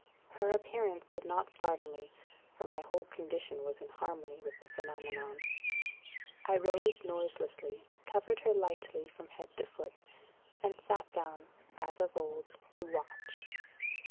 Her appearance did not startle me, for my whole condition was in harmony with the phenomenon. I rose noiselessly, covered her lightly from head to foot, and sat down, as of old to watch.